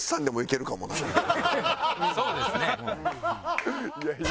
そうですね。